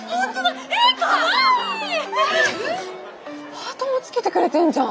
ハートもつけてくれてんじゃん！